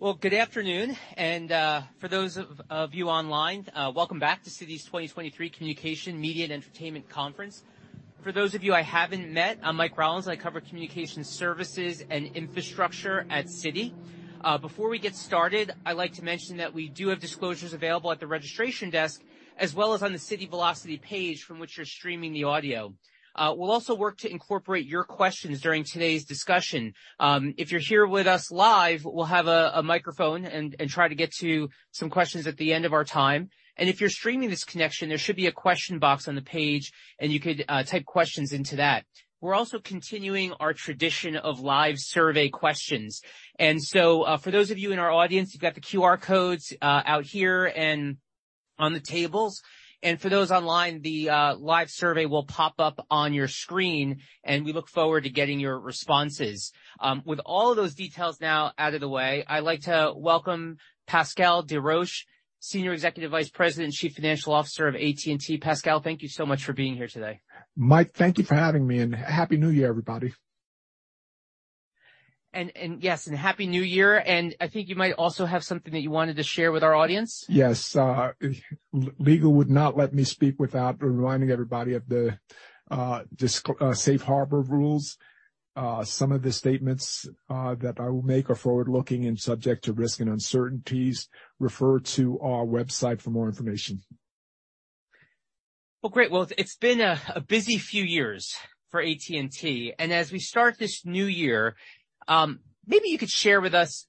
Well, good afternoon. For those of you online, welcome back to Citi's 2023 Communications, Media & Entertainment Conference. For those of you I haven't met, I'm Mike Rollins. I cover communication services and infrastructure at Citi. Before we get started, I'd like to mention that we do have disclosures available at the registration desk as well as on the Citi Velocity page from which you're streaming the audio. We'll also work to incorporate your questions during today's discussion. If you're here with us live, we'll have a microphone and try to get to some questions at the end of our time. If you're streaming this connection, there should be a question box on the page, and you could type questions into that. We're also continuing our tradition of live survey questions. For those of you in our audience, you've got the QR codes out here and on the tables. For those online, the live survey will pop up on your screen, and we look forward to getting your responses. With all those details now out of the way, I'd like to welcome Pascal Desroches, Senior Executive Vice President, Chief Financial Officer of AT&T. Pascal, thank you so much for being here today. Mike, thank you for having me, and Happy New Year, everybody. Yes, and Happy New Year. I think you might also have something that you wanted to share with our audience. Yes. legal would not let me speak without reminding everybody of the safe harbor rules. Some of the statements that I will make are forward-looking and subject to risk and uncertainties. Refer to our website for more information. Well, great. Well, it's been a busy few years for AT&T, as we start this new year, maybe you could share with us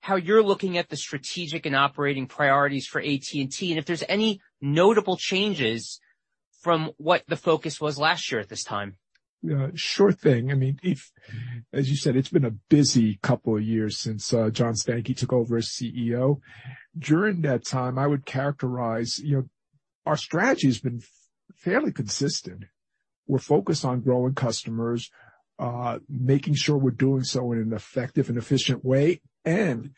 how you're looking at the strategic and operating priorities for AT&T and if there's any notable changes from what the focus was last year at this time. Yeah, sure thing. I mean, as you said, it's been a busy couple of years since John Stankey took over as CEO. During that time, I would characterize, you know, our strategy has been fairly consistent. We're focused on growing customers, making sure we're doing so in an effective and efficient way, and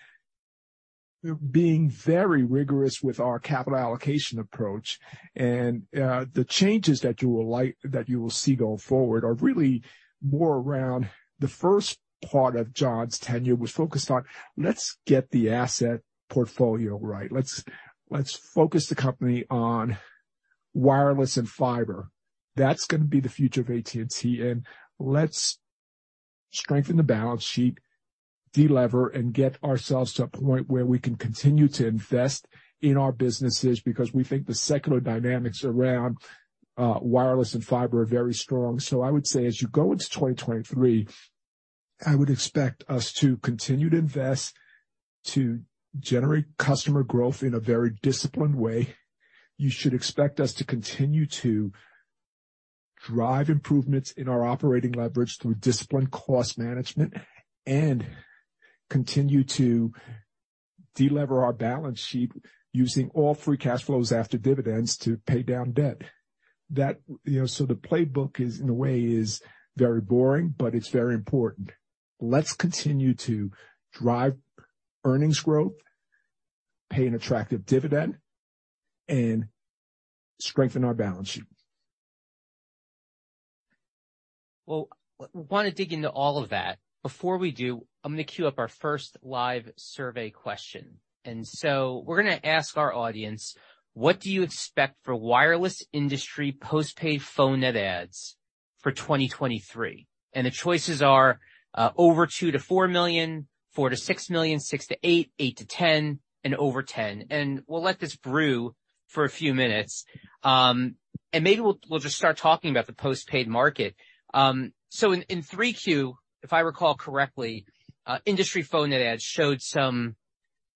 being very rigorous with our capital allocation approach. The changes that you will see going forward are really more around the first part of John's tenure was focused on, let's get the asset portfolio right. Let's focus the company on wireless and fiber. That's gonna be the future of AT&T. Let's strengthen the balance sheet, de-lever, and get ourselves to a point where we can continue to invest in our businesses because we think the secular dynamics around wireless and fiber are very strong. I would say as you go into 2023, I would expect us to continue to invest, to generate customer growth in a very disciplined way. You should expect us to continue to drive improvements in our operating leverage through disciplined cost management and continue to de-lever our balance sheet using all free cash flows after dividends to pay down debt. You know, so the playbook is, in a way, is very boring, but it's very important. Let's continue to drive earnings growth, pay an attractive dividend, and strengthen our balance sheet. Well, wanna dig into all of that. Before we do, I'm gonna queue up our first live survey question. We're gonna ask our audience, what do you expect for wireless industry postpaid phone net adds for 2023? The choices are, over 2 million-4 million, 4 million-6 million, 6 million-8 million, 8 million-10 million, and over 10 million. We'll let this brew for a few minutes. Maybe we'll just start talking about the postpaid market. In 3Q, if I recall correctly, industry phone net adds showed some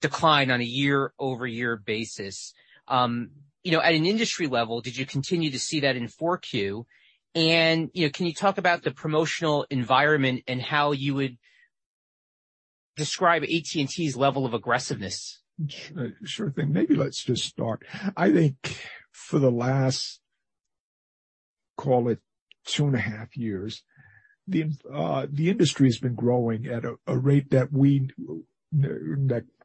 decline on a year-over-year basis. You know, at an industry level, did you continue to see that in 4Q? You know, can you talk about the promotional environment and how you would describe AT&T's level of aggressiveness? Sure thing. Maybe let's just start. I think for the last, call it two and a half years, the industry has been growing at a rate that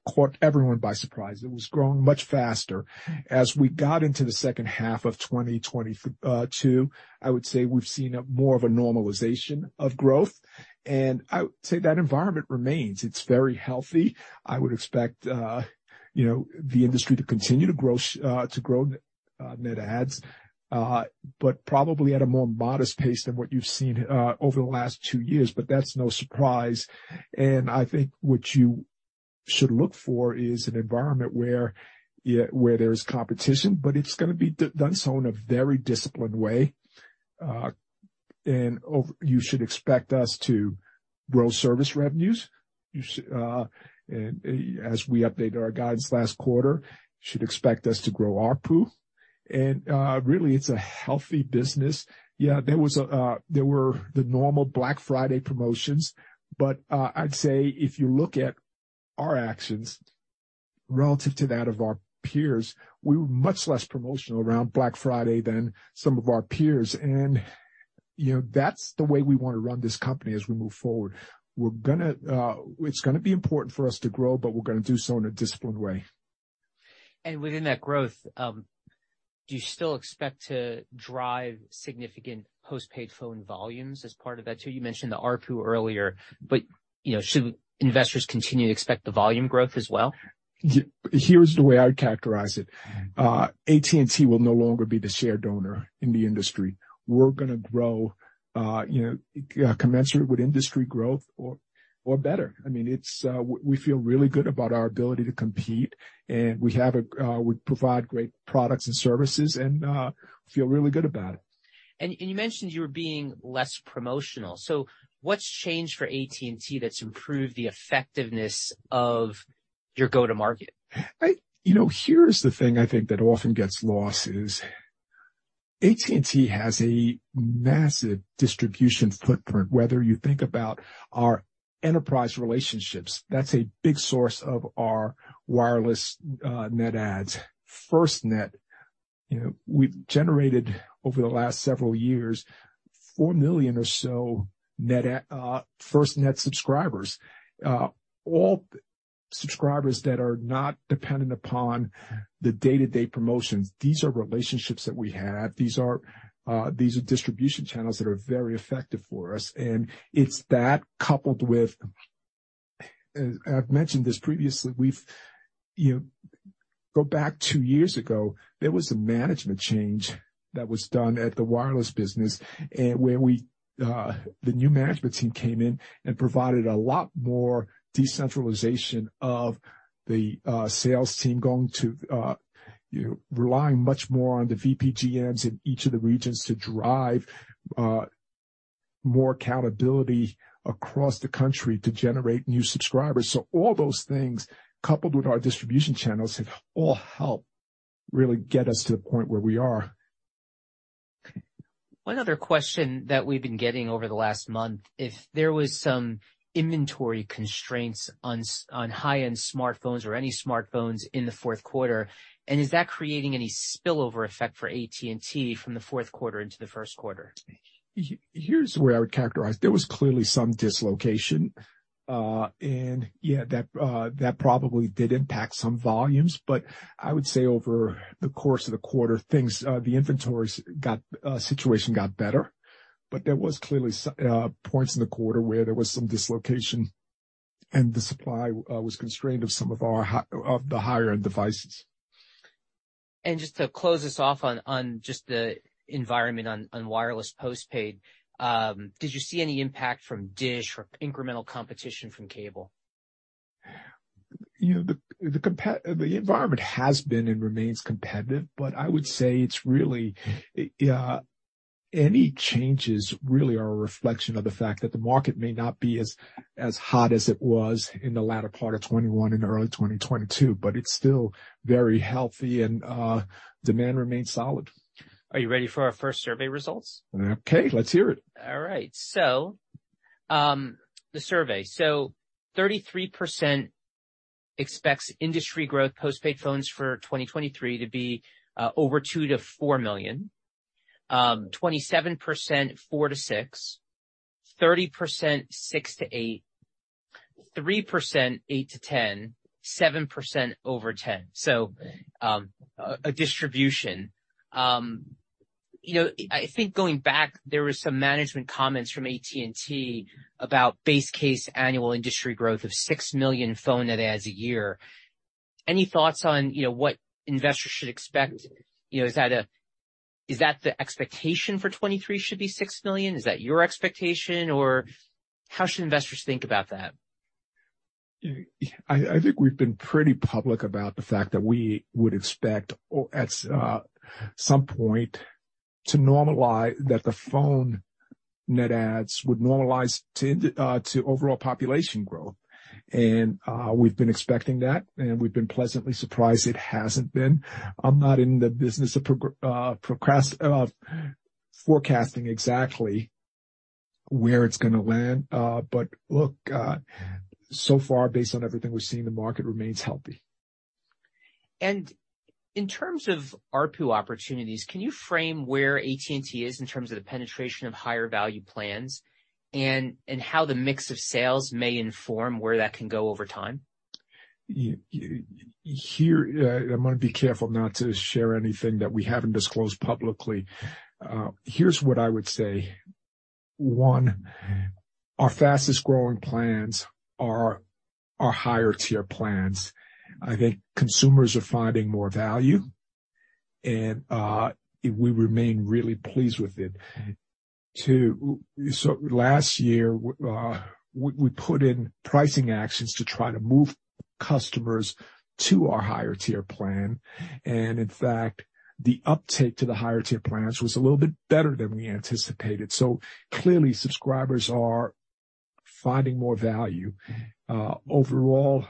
caught everyone by surprise. It was growing much faster. As we got into the second half of 2022, I would say we've seen a more of a normalization of growth. I would say that environment remains. It's very healthy. I would expect, you know, the industry to continue to grow net adds, but probably at a more modest pace than what you've seen over the last two years, but that's no surprise. I think what you should look for is an environment where there's competition, but it's gonna be done so in a very disciplined way. You should expect us to grow service revenues. As we updated our guidance last quarter, should expect us to grow ARPU. Really it's a healthy business. Yeah, there was, there were the normal Black Friday promotions, but I'd say if you look at our actions relative to that of our peers, we were much less promotional around Black Friday than some of our peers. You know, that's the way we want to run this company as we move forward. We're gonna. It's gonna be important for us to grow, but we're gonna do so in a disciplined way. Within that growth, do you still expect to drive significant postpaid phone volumes as part of that, too? You mentioned the ARPU earlier, but, you know, should investors continue to expect the volume growth as well? Here's the way I would characterize it. AT&T will no longer be the share donor in the industry. We're gonna grow, you know, commensurate with industry growth or better. I mean, it's. We feel really good about our ability to compete, and we have a, we provide great products and services and feel really good about it. You mentioned you were being less promotional, so what's changed for AT&T that's improved the effectiveness of your go-to-market? You know, here's the thing I think that often gets lost, is AT&T has a massive distribution footprint, whether you think about our enterprise relationships, that's a big source of our wireless net adds. FirstNet, you know, we've generated over the last several years 4 million or so net add FirstNet subscribers, all subscribers that are not dependent upon the day-to-day promotions. These are relationships that we have. These are distribution channels that are very effective for us. It's that coupled with, I've mentioned this previously, we've, you know, go back two years ago, there was a management change that was done at the wireless business where we, the new management team came in and provided a lot more decentralization of the sales team, going to, you know, relying much more on the VPGM in each of the regions to drive more accountability across the country to generate new subscribers. All those things, coupled with our distribution channels, have all helped really get us to the point where we are. One other question that we've been getting over the last month, if there was some inventory constraints on high-end smartphones or any smartphones in the fourth quarter, and is that creating any spillover effect for AT&T from the fourth quarter into the first quarter? Here's the way I would characterize. There was clearly some dislocation, yeah, that probably did impact some volumes. I would say over the course of the quarter, things, the inventories got, situation got better. There was clearly points in the quarter where there was some dislocation, the supply was constrained of some of our of the higher-end devices. Just to close this off on just the environment on wireless postpaid, did you see any impact from Dish or incremental competition from cable? You know, The environment has been and remains competitive, I would say it's really, any changes really are a reflection of the fact that the market may not be as hot as it was in the latter part of 2021 and early 2022, It's still very healthy and, demand remains solid. Are you ready for our first survey results? Okay, let's hear it. All right. The survey. 33% expects industry growth postpaid phones for 2023 to be over 2 million-4 million. 27%, 4 million-6 million. 30%, 6 million-8 million. 3%, 8 million-10 million. 7%, over 10 million. A distribution. You know, I think going back, there were some management comments from AT&T about base case annual industry growth of 6 million phone net adds a year. Any thoughts on, you know, what investors should expect? You know, is that the expectation for 2023 should be 6 million? Is that your expectation or how should investors think about that? I think we've been pretty public about the fact that we would expect at some point to normalize, that the phone net adds would normalize to overall population growth. We've been expecting that, and we've been pleasantly surprised it hasn't been. I'm not in the business of forecasting exactly where it's gonna land. Look, so far, based on everything we've seen, the market remains healthy. In terms of ARPU opportunities, can you frame where AT&T is in terms of the penetration of higher value plans and how the mix of sales may inform where that can go over time? You here, I'm gonna be careful not to share anything that we haven't disclosed publicly. Here's what I would say. One, our fastest growing plans are our higher tier plans. I think consumers are finding more value, and we remain really pleased with it. Two, last year, we put in pricing actions to try to move customers to our higher tier plan. In fact, the uptake to the higher tier plans was a little bit better than we anticipated. Clearly, subscribers are finding more value. Overall,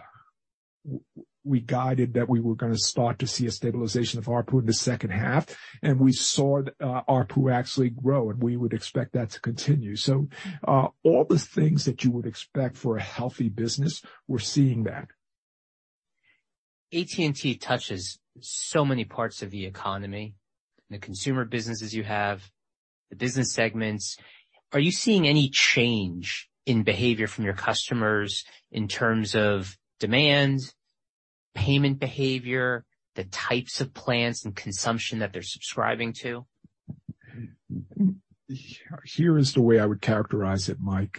we guided that we were gonna start to see a stabilization of ARPU in the second half, and we saw ARPU actually grow, and we would expect that to continue. All the things that you would expect for a healthy business, we're seeing that. AT&T touches so many parts of the economy, the consumer businesses the business segments. Are you seeing any change in behavior from your customers in terms of demand, payment behavior, the types of plans and consumption that they're subscribing to? Here is the way I would characterize it, Mike.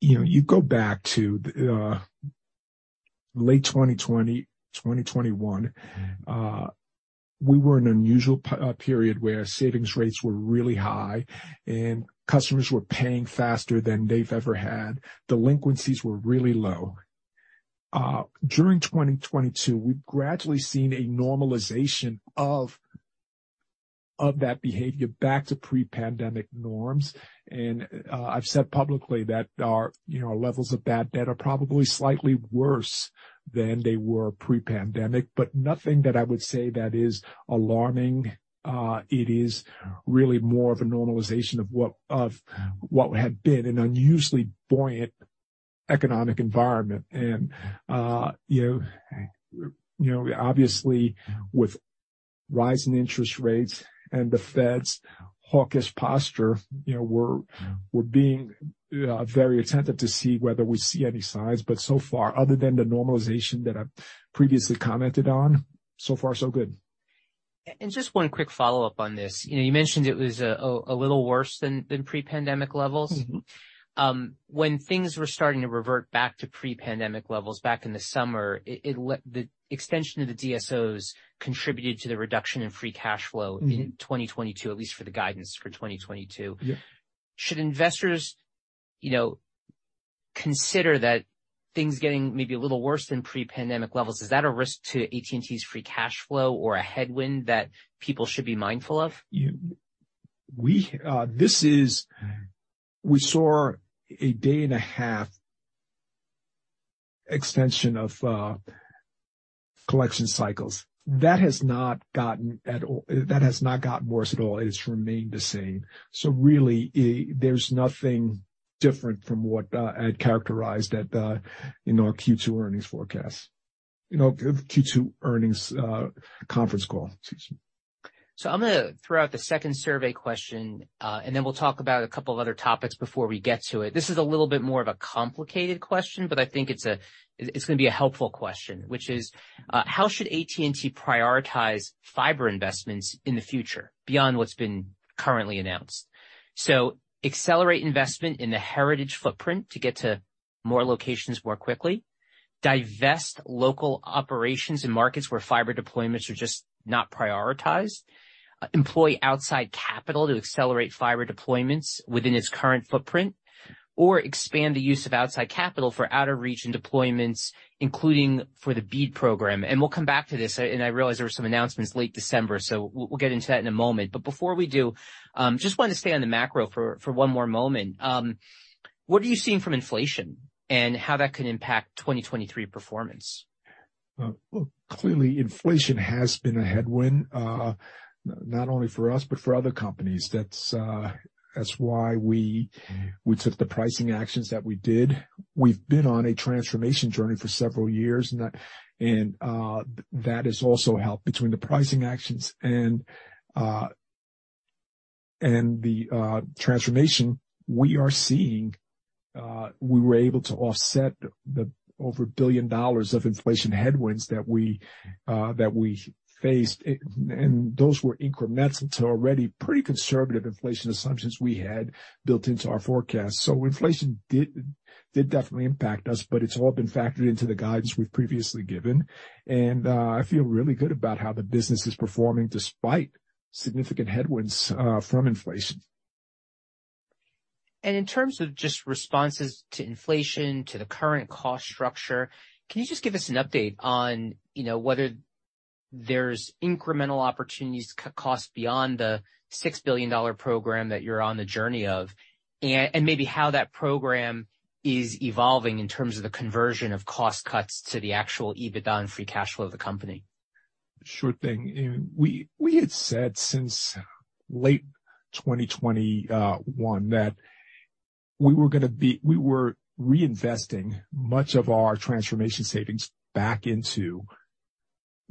You know, you go back to the late 2020, 2021, we were in an unusual period where savings rates were really high and customers were paying faster than they've ever had. Delinquencies were really low. During 2022, we've gradually seen a normalization of that behavior back to pre-pandemic norms. I've said publicly that our, you know, levels of bad debt are probably slightly worse than they were pre-pandemic, but nothing that I would say that is alarming. It is really more of a normalization of what had been an unusually buoyant economic environment. Obviously, with rising interest rates and the Fed's hawkish posture, you know, we're being very attentive to see whether we see any signs. So far, other than the normalization that I previously commented on, so far so good. And just one quick follow-up on this. You know, you mentioned it was a little worse than pre-pandemic levels. When things were starting to revert back to pre-pandemic levels back in the summer, it the extension of the DSO contributed to the reduction in free cash flow in 2022, at least for the guidance for 2022. Yeah. Should investors, you know, consider that things getting maybe a little worse than pre-pandemic levels, is that a risk to AT&T's free cash flow or a headwind that people should be mindful of? We saw a day and a half extension of collection cycles. That has not gotten worse at all. It has remained the same. Really, there's nothing different from what I had characterized in our Q2 earnings forecast. You know, Q2 earnings conference call, excuse me. I'm gonna throw out the second survey question, and then we'll talk about a couple of other topics before we get to it. This is a little bit more of a complicated question, but I think it's gonna be a helpful question, which is, how should AT&T prioritize fiber investments in the future beyond what's been currently announced? Accelerate investment in the heritage footprint to get to more locations more quickly, divest local operations in markets where fiber deployments are just not prioritized, employ outside capital to accelerate fiber deployments within its current footprint, or expand the use of outside capital for out-of-region deployments, including for the BEAD program. We'll come back to this, and I realize there were some announcements late December, so we'll get into that in a moment. Before we do, just wanted to stay on the macro for one more moment. What are you seeing from inflation and how that could impact 2023 performance? Well, clearly, inflation has been a headwind, not only for us, but for other companies. That's why we took the pricing actions that we did. We've been on a transformation journey for several years, and that has also helped between the pricing actions and the transformation we are seeing. We were able to offset the over $1 billion of inflation headwinds that we faced, and those were increments to already pretty conservative inflation assumptions we had built into our forecast. Inflation did definitely impact us, but it's all been factored into the guidance we've previously given. I feel really good about how the business is performing despite significant headwinds from inflation. In terms of just responses to inflation, to the current cost structure, can you just give us an update on, you know, whether there's incremental opportunities to cut cost beyond the $6 billion program that you're on the journey of, and maybe how that program is evolving in terms of the conversion of cost cuts to the actual EBITDA and free cash flow of the company? Sure thing. We had said since late 2021 that we were reinvesting much of our transformation savings back into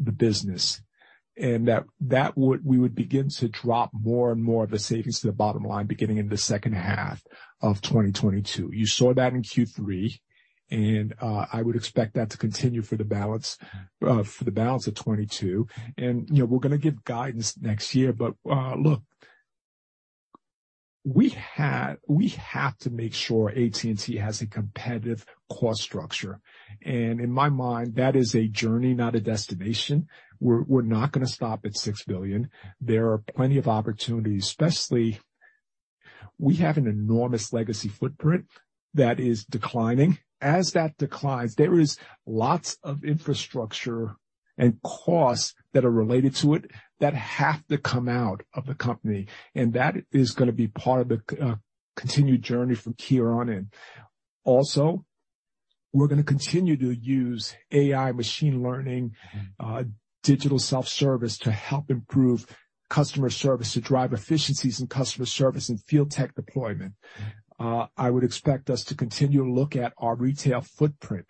the business, and that would begin to drop more and more of the savings to the bottom line beginning in the second half of 2022. You saw that in Q3, I would expect that to continue for the balance of 2022. You know, we're going to give guidance next year. Look, we have to make sure AT&T has a competitive cost structure. In my mind, that is a journey, not a destination. We're not going to stop at $6 billion. There are plenty of opportunities, especially we have an enormous legacy footprint that is declining. As that declines, there is lots of infrastructure and costs that are related to it that have to come out of the company, and that is going to be part of the continued journey from here on in. Also, we're going to continue to use AI, machine learning, digital self-service to help improve customer service, to drive efficiencies in customer service and field tech deployment. I would expect us to continue to look at our retail footprint.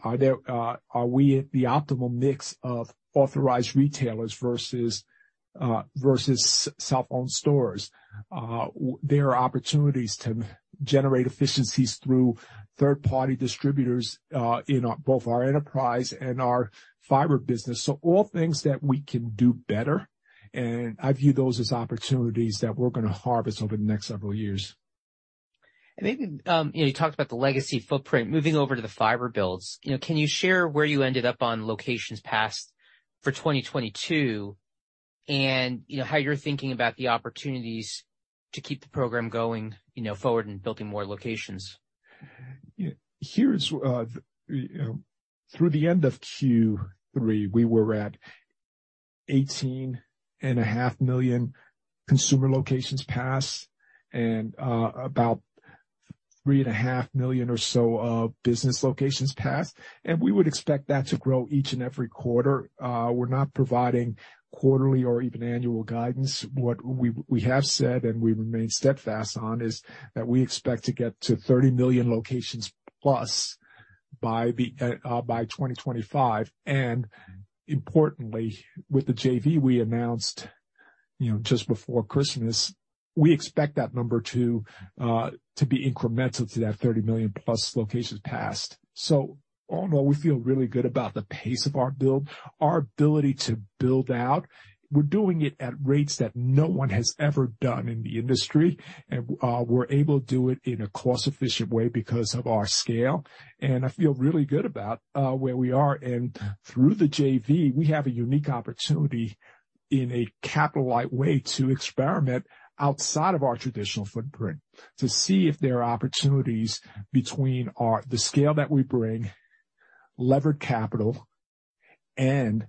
Are there, are we at the optimal mix of authorized retailers versus cell phone stores? There are opportunities to generate efficiencies through third-party distributors, in our both our enterprise and our fiber business. All things that we can do better, and I view those as opportunities that we're going to harvest over the next several years. Maybe, you know, you talked about the legacy footprint. Moving over to the fiber builds, you know, can you share where you ended up on locations passed for 2022 and, you know, how you're thinking about the opportunities to keep the program going, you know, forward and building more locations? Here is, you know, through the end of Q3, we were at 18.5 million consumer locations passed and, about 3.5 million or so of business locations passed. We would expect that to grow each and every quarter. We're not providing quarterly or even annual guidance. What we have said, and we remain steadfast on, is that we expect to get to 30 million locations+ by the by 2025. Importantly, with the JV we announced, you know, just before Christmas, we expect that number to be incremental to that 30 million+ locations passed. All in all, we feel really good about the pace of our build, our ability to build out. We're doing it at rates that no one has ever done in the industry, we're able to do it in a cost-efficient way because of our scale. I feel really good about where we are. Through the JV, we have a unique opportunity in a capital-light way to experiment outside of our traditional footprint to see if there are opportunities between the scale that we bring, levered capital, and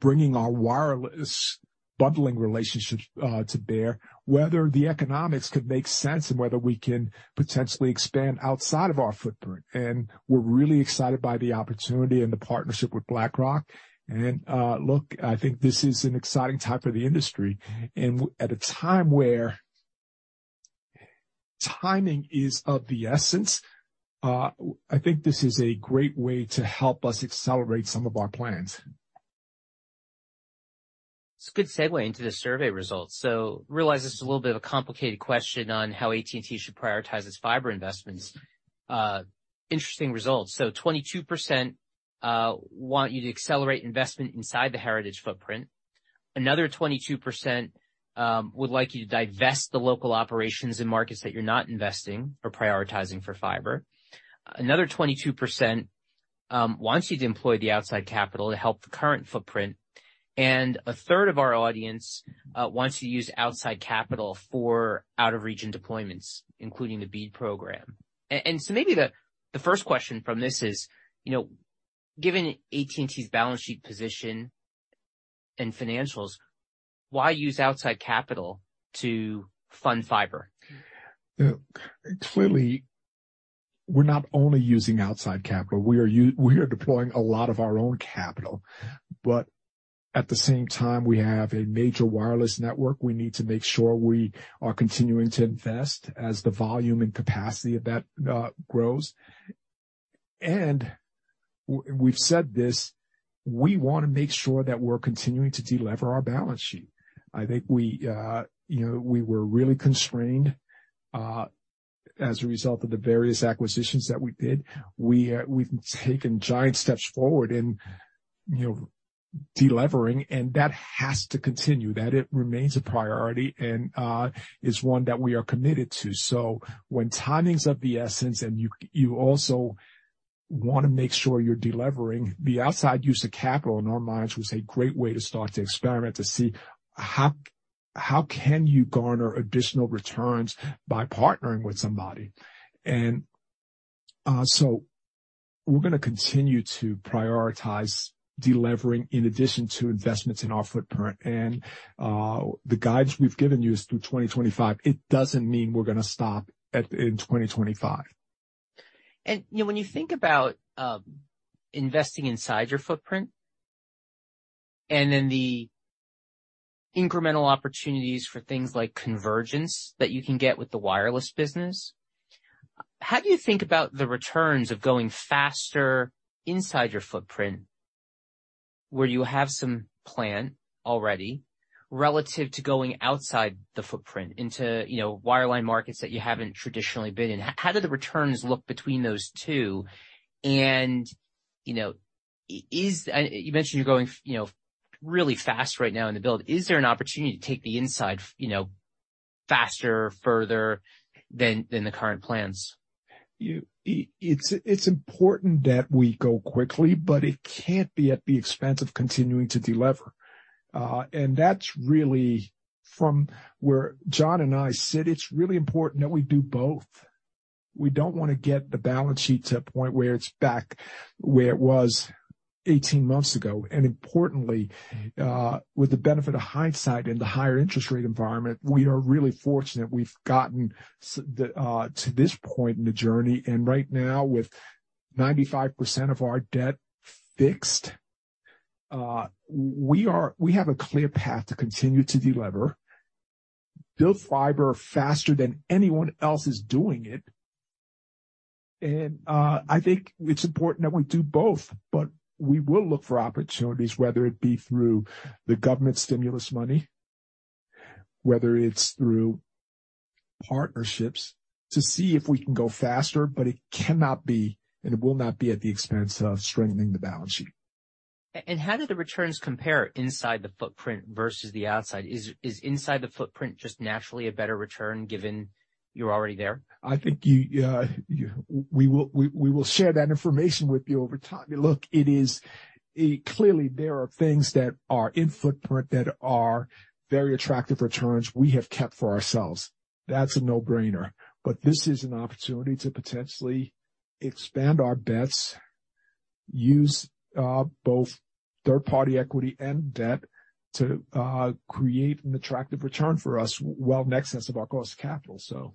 bringing our wireless bundling relationships to bear, whether the economics could make sense and whether we can potentially expand outside of our footprint. We're really excited by the opportunity and the partnership with BlackRock. Look, I think this is an exciting time for the industry. At a time where timing is of the essence, I think this is a great way to help us accelerate some of our plans. It's a good segue into the survey results. Realize this is a little bit of a complicated question on how AT&T should prioritize its fiber investments. Interesting results. 22%, want you to accelerate investment inside the heritage footprint. Another 22%, would like you to divest the local operations in markets that you're not investing or prioritizing for fiber. Another 22%, wants you to employ the outside capital to help the current footprint. And 1/3 of our audience, wants to use outside capital for out-of-region deployments, including the BEAD program. Maybe the first question from this is, you know, given AT&T's balance sheet position and financials, why use outside capital to fund fiber? Look, clearly we're not only using outside capital, we are deploying a lot of our own capital. At the same time, we have a major wireless network. We need to make sure we are continuing to invest as the volume and capacity of that grows. We've said this, we want to make sure that we're continuing to delever our balance sheet. I think we, you know, we were really constrained as a result of the various acquisitions that we did. We've taken giant steps forward in, you know, delevering, and that has to continue. That it remains a priority and is one that we are committed to. When timing's of the essence and you also want to make sure you're delevering, the outside use of capital in our minds was a great way to start to experiment to see how can you garner additional returns by partnering with somebody. We're going to continue to prioritize delevering in addition to investments in our footprint. The guides we've given you is through 2025. It doesn't mean we're going to stop at, in 2025. You know, when you think about investing inside your footprint and then the incremental opportunities for things like convergence that you can get with the wireless business, how do you think about the returns of going faster inside your footprint, where you have some plan already, relative to going outside the footprint into, you know, wireline markets that you haven't traditionally been in? How do the returns look between those two? You mentioned you're going, you know, really fast right now in the build. Is there an opportunity to take the inside, you know, faster, further than the current plans? It's, it's important that we go quickly, but it can't be at the expense of continuing to delever. That's really from where John and I sit, it's really important that we do both. We don't want to get the balance sheet to a point where it's back where it was 18 months ago. Importantly, with the benefit of hindsight in the higher interest rate environment, we are really fortunate we've gotten to this point in the journey. Right now, with 95% of our debt fixed, we have a clear path to continue to delever. Build fiber faster than anyone else is doing it. I think it's important that we do both, but we will look for opportunities, whether it be through the government stimulus money, whether it's through partnerships, to see if we can go faster, but it cannot be, and it will not be at the expense of strengthening the balance sheet. How do the returns compare inside the footprint versus the outside? Is inside the footprint just naturally a better return given you're already there? I think we will share that information with you over time. Look, it is clearly, there are things that are in footprint that are very attractive returns we have kept for ourselves. That's a no-brainer. This is an opportunity to potentially expand our bets, use both third-party equity and debt to create an attractive return for us well in excess of our cost of capital so.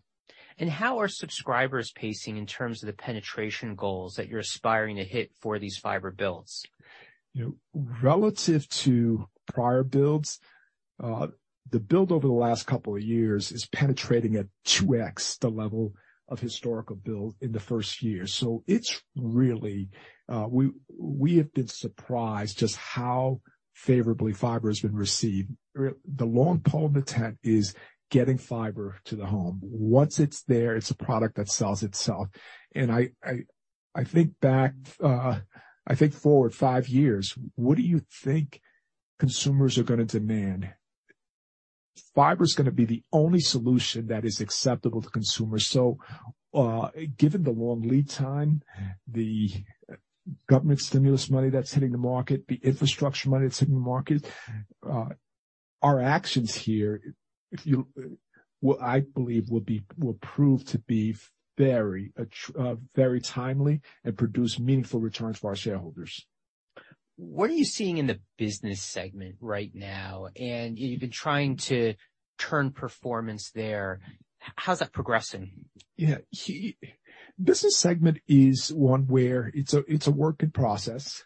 How are subscribers pacing in terms of the penetration goals that you're aspiring to hit for these fiber builds? You know, relative to prior builds, the build over the last couple of years is penetrating at 2x the level of historical build in the first year. It's really, we have been surprised just how favorably fiber has been received. The long pole in the tent is getting fiber to the home. Once it's there, it's a product that sells itself. I think back, I think forward five years, what do you think consumers are gonna demand? Fiber is gonna be the only solution that is acceptable to consumers. Given the long lead time, the government stimulus money that's hitting the market, the infrastructure money that's hitting the market, our actions here, what I believe will prove to be very timely and produce meaningful returns for our shareholders. What are you seeing in the business segment right now? You've been trying to turn performance there. How's that progressing? Yeah. Business segment is one where it's a work in process,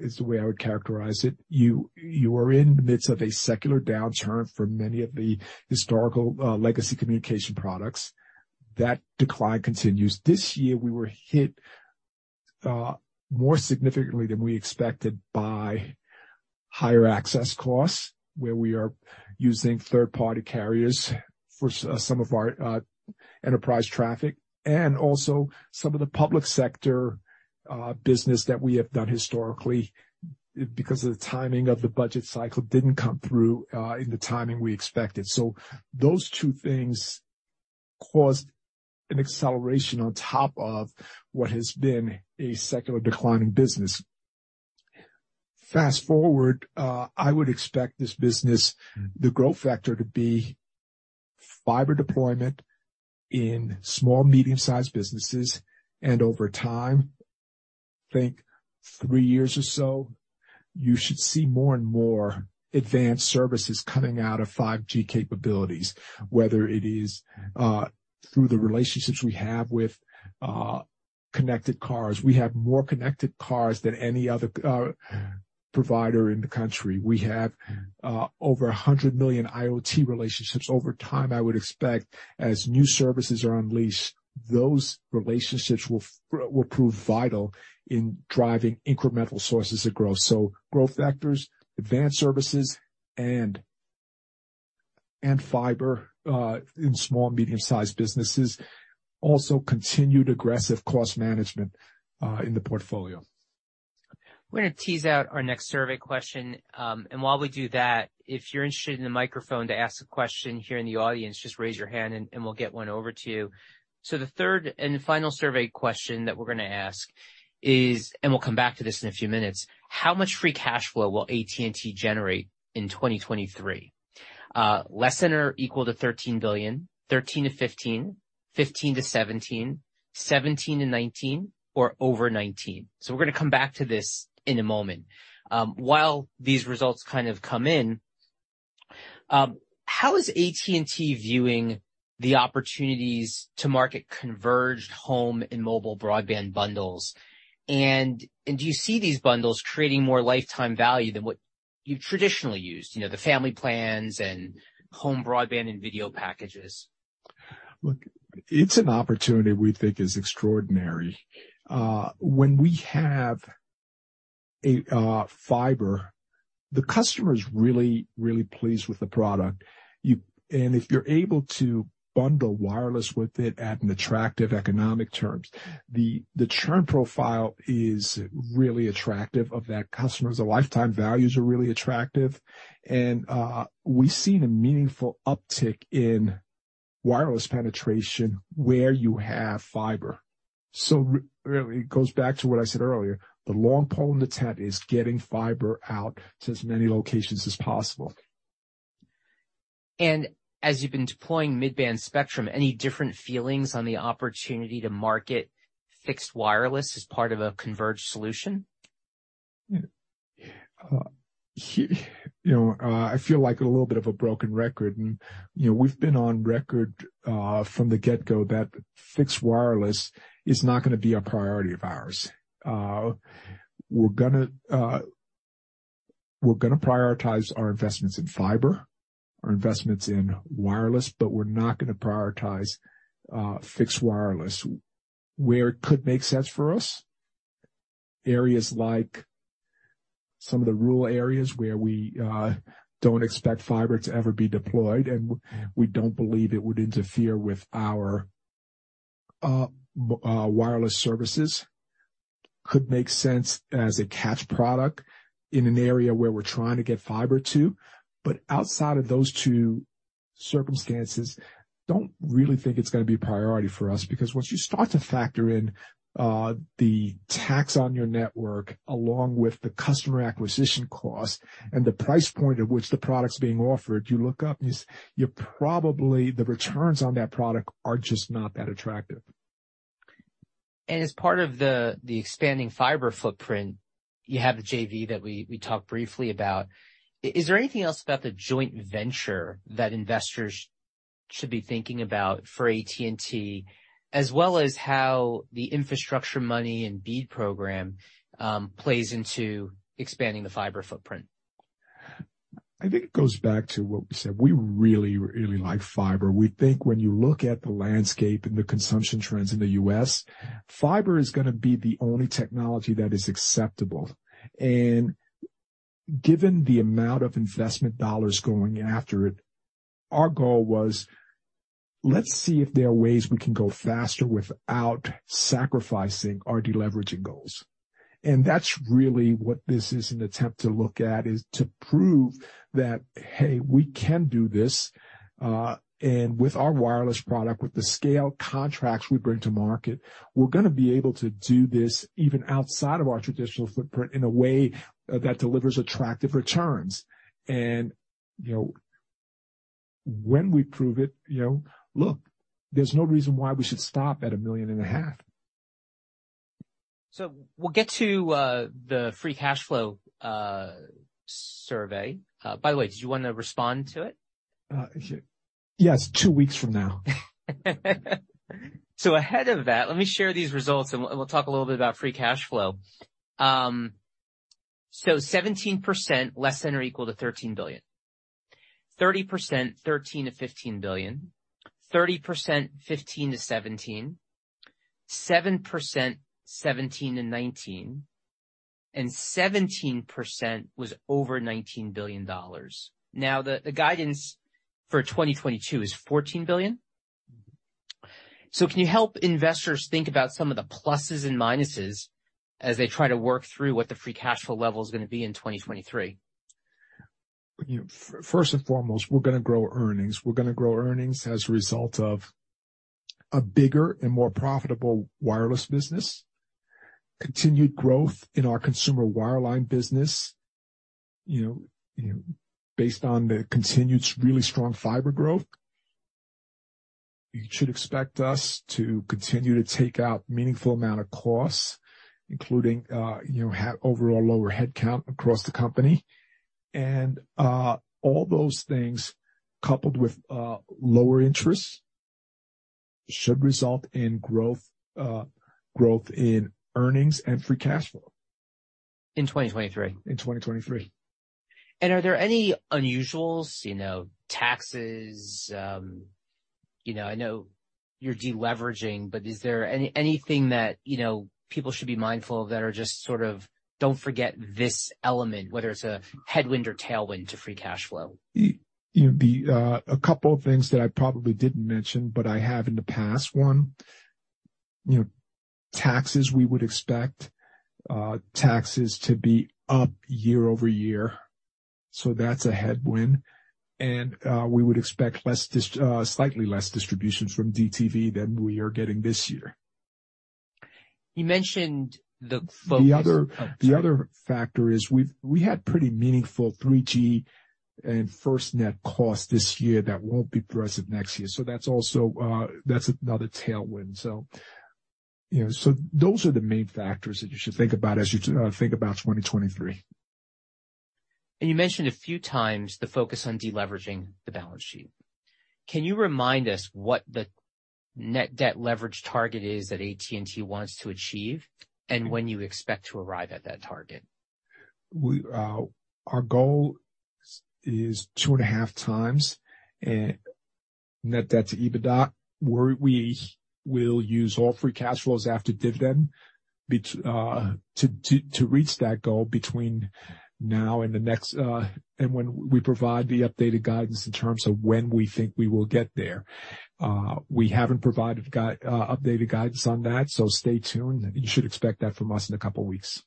is the way I would characterize it. You are in the midst of a secular downturn for many of the historical legacy communication products. That decline continues. This year, we were hit more significantly than we expected by higher access costs, where we are using third-party carriers for some of our enterprise traffic and also some of the public sector business that we have done historically because of the timing of the budget cycle didn't come through in the timing we expected. Those two things caused an acceleration on top of what has been a secular decline in business. Fast-forward, I would expect this business, the growth factor to be fiber deployment in small, medium-sized businesses, and over time, I think three years or so, you should see more and more advanced services coming out of 5G capabilities, whether it is through the relationships we have with connected cars. We have more connected cars than any other provider in the country. We have over 100 million IoT relationships. Over time, I would expect as new services are unleashed, those relationships will prove vital in driving incremental sources of growth. Growth factors, advanced services and fiber in small, medium-sized businesses, also continued aggressive cost management in the portfolio. We're gonna tease out our next survey question. While we do that, if you're interested in the microphone to ask a question here in the audience, just raise your hand and we'll get one over to you. The third and final survey question that we're gonna ask is, and we'll come back to this in a few minutes, how much free cash flow will AT&T generate in 2023? Less than or equal to $13 billion, $13 billion-$15 billion, $15 billion-$17 billion, $17 billion-$19 billion, or over $19 billion. We're gonna come back to this in a moment. While these results kind of come in, how is AT&T viewing the opportunities to market converged home and mobile broadband bundles? Do you see these bundles creating more lifetime value than what you've traditionally used, you know, the family plans and home broadband and video packages? Look, it's an opportunity we think is extraordinary. When we have a fiber, the customer is really, really pleased with the product. If you're able to bundle wireless with it at an attractive economic terms, the churn profile is really attractive of that customer. The lifetime values are really attractive. We've seen a meaningful uptick in wireless penetration where you have fiber. It goes back to what I said earlier, the long pole in the tent is getting fiber out to as many locations as possible. As you've been deploying mid-band spectrum, any different feelings on the opportunity to market fixed wireless as part of a converged solution? Yeah. You know, I feel like a little bit of a broken record. You know, we've been on record from the get-go that fixed wireless is not gonna be a priority of ours. We're going to prioritize our investments in fiber, our investments in wireless, but we're not going to prioritize fixed wireless. Where it could make sense for us, areas like some of the rural areas where we don't expect fiber to ever be deployed, and we don't believe it would interfere with our wireless services, could make sense as a catch product in an area where we're trying to get fiber to. Outside of those two circumstances, don't really think it's going to be a priority for us, because once you start to factor in the tax on your network along with the customer acquisition cost and the price point at which the product's being offered, you look up and you say, the returns on that product are just not that attractive. As part of the expanding fiber footprint, you have a JV that we talked briefly about. Is there anything else about the joint venture that investors should be thinking about for AT&T, as well as how the infrastructure money and BEAD program plays into expanding the fiber footprint? I think it goes back to what we said. We really like fiber. We think when you look at the landscape and the consumption trends in the U.S., fiber is going to be the only technology that is acceptable. Given the amount of investment dollars going after it, our goal was, let's see if there are ways we can go faster without sacrificing our deleveraging goals. That's really what this is an attempt to look at, is to prove that, hey, we can do this, and with our wireless product, with the scale contracts we bring to market, we're going to be able to do this even outside of our traditional footprint in a way that delivers attractive returns. You know, when we prove it, you know, look, there's no reason why we should stop at 1.5 million we'll get to the free cash flow survey. By the way, did you want to respond to it? Yes, two weeks from now. Ahead of that, let me share these results, and we'll talk a little bit about free cash flow. 17% less than or equal to $13 billion. 30%, $13 billion-$15 billion. 30%, $15 billion-$17 billion. 7%, $17 billion-$19 billion, and 17% was over $19 billion. The guidance for 2022 is $14 billion. Can you help investors think about some of the pluses and minuses as they try to work through what the free cash flow level is going to be in 2023? First and foremost, we're going to grow earnings. We're going to grow earnings as a result of a bigger and more profitable wireless business, continued growth in our consumer wireline business, you know, based on the continued really strong fiber growth. You should expect us to continue to take out meaningful amount of costs, including overall lower headcount across the company. All those things coupled with lower interest should result in growth in earnings and free cash flow. In 2023. In 2023. Are there any unusuals, you know, taxes? you know, I know you're deleveraging, but is there anything that, you know, people should be mindful of that are just sort of, don't forget this element, whether it's a headwind or tailwind to free cash flow? A couple of things that I probably didn't mention, but I have in the past. One, you know, taxes, we would expect taxes to be up year-over-year, so that's a headwind. We would expect less, slightly less distributions from DTV than we are getting this year. You mentioned the focus- The other factor is we had pretty meaningful 3G and FirstNet cost this year that won't be present next year. That's also another tailwind. Those are the main factors that you should think about as you think about 2023. You mentioned a few times the focus on deleveraging the balance sheet. Can you remind us what the net debt leverage target is that AT&T wants to achieve and when you expect to arrive at that target? Our goal is 2.5x net debt to EBITDA, where we will use all free cash flows after dividend, to reach that goal between now and the next, and when we provide the updated guidance in terms of when we think we will get there. We haven't provided updated guidance on that, so stay tuned. You should expect that from us in a couple of weeks.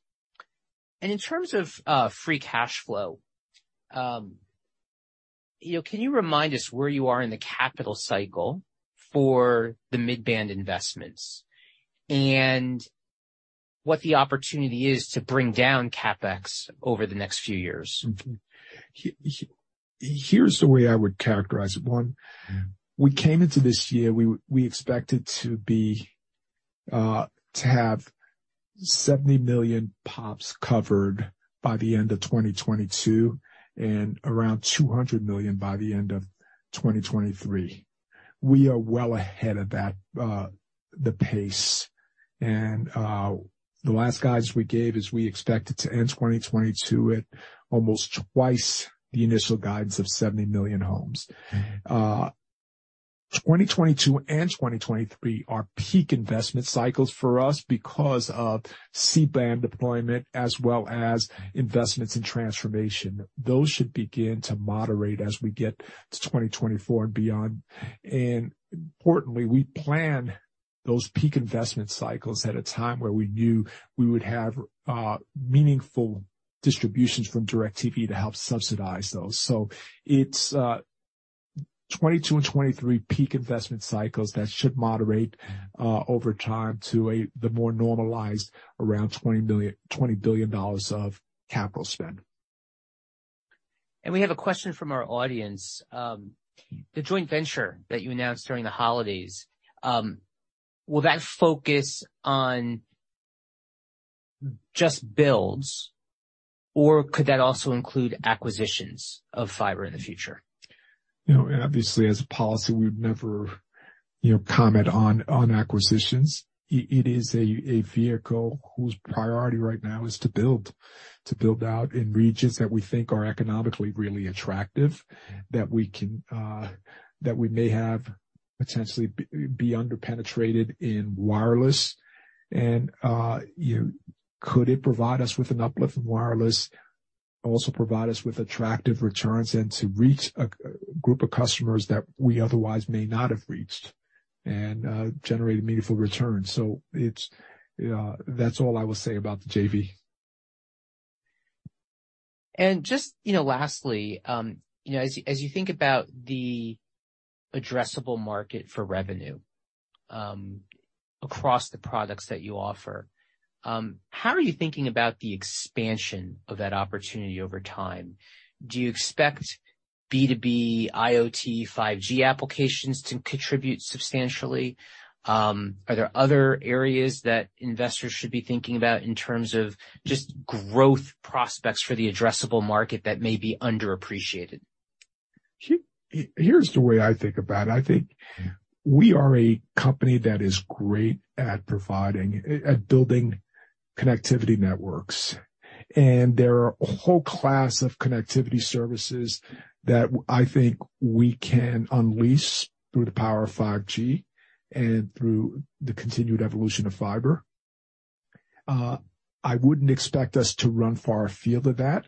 In terms of free cash flow, can you remind us where you are in the capital cycle for the mid-band investments and what the opportunity is to bring down CapEx over the next few years? Here's the way I would characterize it. One, we came into this year, we expected to be to have 70 million pops covered by the end of 2022 and around 200 million by the end of 2023. We are well ahead of that the pace. The last guidance we gave is we expected to end 2022 at almost 2x the initial guidance of 70 million homes. 2022 and 2023 are peak investment cycles for us because of C-band deployment as well as investments in transformation. Those should begin to moderate as we get to 2024 and beyond. Importantly, we plan those peak investment cycles at a time where we knew we would have meaningful distributions from DIRECTV to help subsidize those. It's 22 and 23 peak investment cycles that should moderate over time to the more normalized around $20 billion of capital spend. We have a question from our audience. The joint venture that you announced during the holidays, will that focus on just builds, or could that also include acquisitions of fiber in the future? You know, obviously, as a policy, we would never, you know, comment on acquisitions. It is a vehicle whose priority right now is to build, to build out in regions that we think are economically really attractive, that we may have potentially be under-penetrated in wireless. Could it provide us with an uplift in wireless, also provide us with attractive returns and to reach a group of customers that we otherwise may not have reached and generate a meaningful return. That's all I will say about the JV. Just, you know, lastly, you know, as you think about the addressable market for revenue, across the products that you offer, how are you thinking about the expansion of that opportunity over time? Do you expect B2B, IoT, 5G applications to contribute substantially? Are there other areas that investors should be thinking about in terms of just growth prospects for the addressable market that may be underappreciated? Here's the way I think about it. I think we are a company that is great at providing, at building connectivity networks. There are a whole class of connectivity services that I think we can unleash through the power of 5G and through the continued evolution of fiber. I wouldn't expect us to run far afield of that.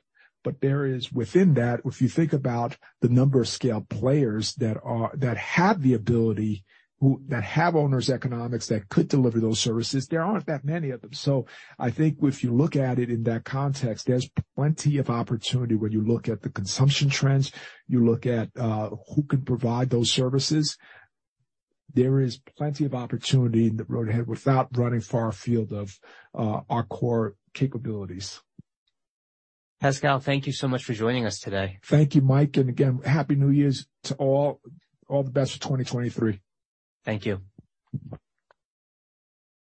There is within that, if you think about the number of scale players that have the ability, that have owners economics that could deliver those services, there aren't that many of them. I think if you look at it in that context, there's plenty of opportunity when you look at the consumption trends, you look at who can provide those services. There is plenty of opportunity in the road ahead without running far afield of our core capabilities. Pascal, thank you so much for joining us today. Thank you, Mike. Again, Happy New Year's to all. All the best for 2023. Thank you.